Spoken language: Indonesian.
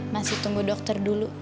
masih tunggu dokter dulu